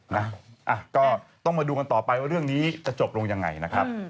นะก็ต้องมาดูกันต่อไปว่าเรื่องนี้จะจบลงยังไงนะครับ